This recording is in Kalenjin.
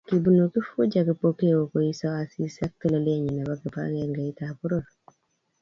Kibunu Kifuja Kipokeo koesio Asisi ak telelenyi nebo kibagengeitab poror